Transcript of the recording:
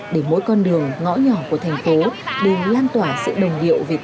để mỗi con đường ngõ nhỏ của thành phố đều lan tỏa sự đồng điệu việt nam